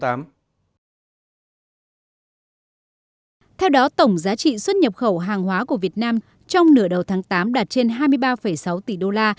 theo đó tổng giá trị xuất nhập khẩu hàng hóa của việt nam trong nửa đầu tháng tám đạt trên hai mươi ba sáu tỷ đô la